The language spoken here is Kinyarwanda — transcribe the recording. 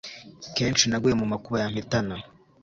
kenshi naguye mu makuba yampitana